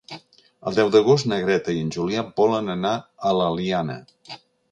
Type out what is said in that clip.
El deu d'agost na Greta i en Julià volen anar a l'Eliana.